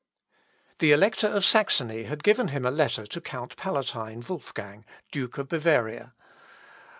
The Elector of Saxony had given him a letter to Count Palatine Wolfgang, Duke of Bavaria.